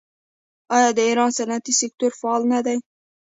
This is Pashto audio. آیا د ایران صنعتي سکتور فعال نه دی؟